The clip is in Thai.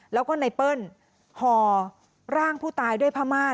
แล้วก็ไนเปิ้ลห่อร่างผู้ตายด้วยผ้าม่าน